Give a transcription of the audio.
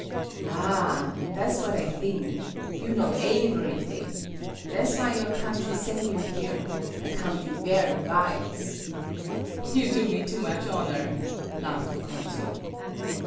"Ah! tha' 's what I thing. You know aeverylhing. Tha' 's why your country sen' you here account you ver' wise." "You do me too much honor," laughed the consul.